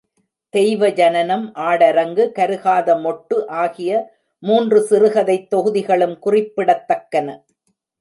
தெய்வ ஜனனம், ஆடரங்கு, கருகாதமொட்டு ஆகிய மூன்று சிறுகதைத் தொகுதிகளும் குறிப்பிடத்தக்கன.